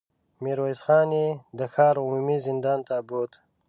ميرويس خان يې د ښار عمومي زندان ته بوت.